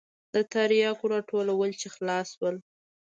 د ترياکو راټولول چې خلاص سول.